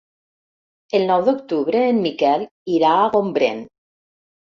El nou d'octubre en Miquel irà a Gombrèn.